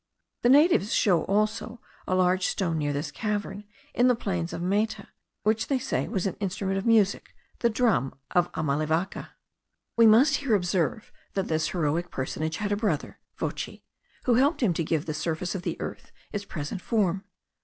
The natives show also a large stone near this cavern, in the plains of Maita, which they say was an instrument of music, the drum of Amalivaca. We must here observe, that this heroic personage had a brother, Vochi, who helped him to give the surface of the earth its present form.